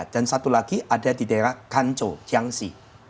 dan satu lagi ada di daerah kan chou jiang xi